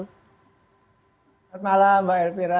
selamat malam mbak elvira